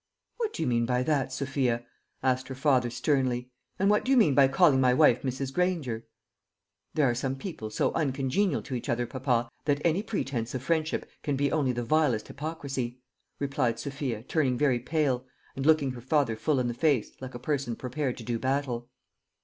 "What do you mean by that, Sophia?" asked her father sternly. "And what do you mean by calling my wife Mrs. Granger?" "There are some people so uncongenial to each other, papa, that any pretence of friendship can be only the vilest hypocrisy," replied Sophia, turning very pale, and looking her father full in the face, like a person prepared to do battle.